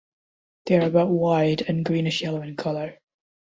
They are about wide and greenish yellow in colour.